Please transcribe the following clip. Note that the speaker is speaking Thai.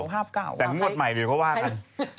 ถ้ามันหมดหมายเดี๋ยวเขาว่ากัน